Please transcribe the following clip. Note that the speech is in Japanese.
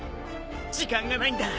時間がないんだ。